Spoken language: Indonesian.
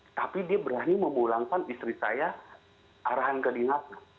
tetapi dia berani memulangkan istri saya arahan ke dinas